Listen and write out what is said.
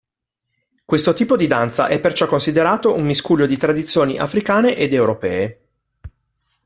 Questo tipo di danza è perciò considerato un miscuglio di tradizioni africane ed europee.